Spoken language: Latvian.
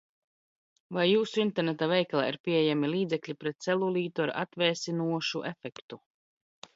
Vai jūsu interneta veikalā ir pieejami līdzekļi pret celulītu ar atvēsinošu efektu?